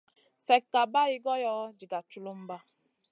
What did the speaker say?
Slèkka bày goyo diga culumba.